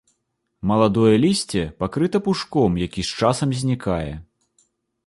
Маладое лісце пакрыта пушком, які з часам знікае.